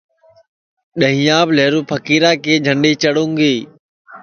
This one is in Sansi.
ڈؔیہینٚیاپ لیہرو پھکیرا کی جھنڈؔی چڈوں گی